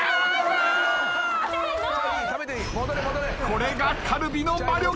これがカルビの魔力。